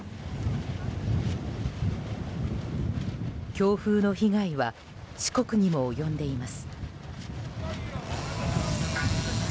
強風の被害は四国にも及んでいます。